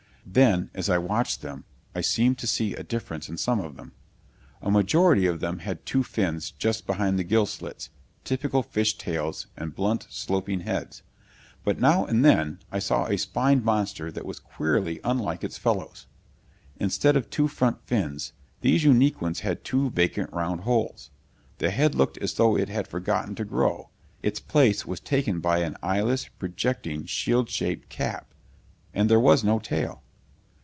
Then, as I watched them, I seemed to see a difference in some of them. The majority of them had two fins just behind the gill slits, typical fish tails and blunt, sloping heads. But now and then I saw a spined monster that was queerly unlike its fellows. Instead of two front fins, these unique ones had two vacant round holes. The head looked as though it had forgotten to grow; its place was taken by an eyeless, projecting, shield shaped cap. And there was no tail.